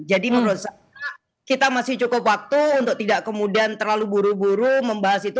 jadi menurut saya kita masih cukup waktu untuk tidak kemudian terlalu buru buru membahas itu